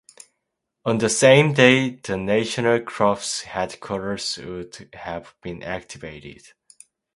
On the same day the notional corps headquarters would have been activated.